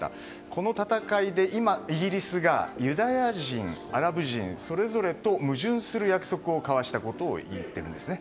この戦いで今、イギリスがユダヤ人、アラブ人それぞれと矛盾する約束を交わしたといっているんですね。